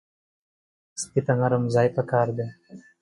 سپي ته نرم ځای پکار دی.